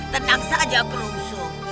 tenang saja kru uso